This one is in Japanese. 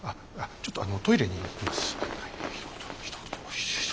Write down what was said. ちょっとあのトイレに行きます。